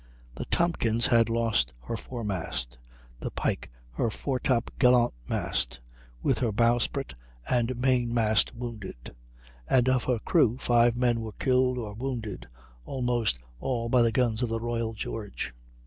The Tompkins had lost her foremast, and the Pike her foretop gallant mast, with her bowsprit and main mast wounded; and of her crew five men were killed or wounded, almost all by the guns of the Royal George.